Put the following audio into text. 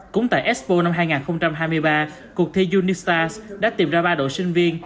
cũng tại expo năm hai nghìn hai mươi ba cuộc thi unista đã tìm ra ba đội sinh viên